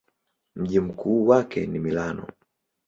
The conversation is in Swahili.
Mji mkuu wake ni Milano.